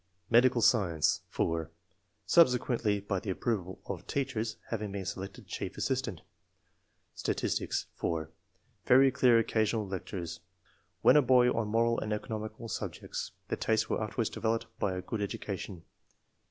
Medical Science. — (4) Subsequently by the approval of teachers, having been selected chief assistant. Statistics. — (4) Very clear occasional lectures, when a boy, on moral and economical subjects ; 218 ENGLISH MEN OF SCIENCE. [chap the tastes were afterwards developed by a good education.